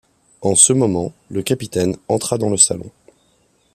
En ce moment, le capitaine entra dans le salon.